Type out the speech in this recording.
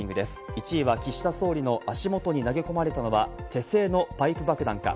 １位は岸田総理の足元に投げ込まれたのは手製のパイプ爆弾か？